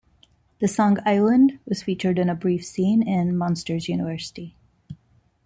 The song "Island" was featured in a brief scene in "Monsters University".